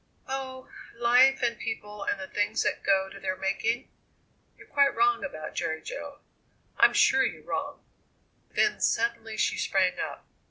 "Oh, life and people and the things that go to their making? You're quite wrong about Jerry Jo. I'm sure you're wrong." Then suddenly she sprang up.